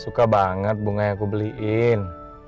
suka banget bunganya aku beliin